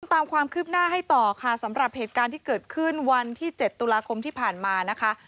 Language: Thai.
ตามความคืบหน้าให้ต่อค่ะสำหรับเหตุการณ์ที่เกิดขึ้นวันที่๗ตุลาคมที่ผ่านมานะคะ